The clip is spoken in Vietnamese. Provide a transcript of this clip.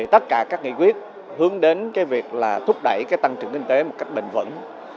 tất cả các nghị quyết hướng đến việc thúc đẩy tăng trưởng kinh tế một cách bình vẩn